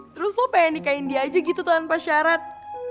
terus lo pengen nikahin dia aja gitu tanpa syarat